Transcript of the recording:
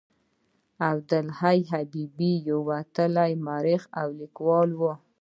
عبدالحي حبیبي یو وتلی مورخ او لیکوال و.